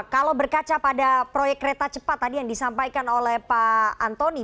kalau berkaca pada proyek kereta cepat tadi yang disampaikan oleh pak antoni